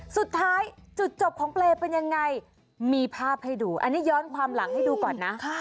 สุดท้ายจุดจบของเปรย์เป็นยังไงมีภาพให้ดูอันนี้ย้อนความหลังให้ดูก่อนนะ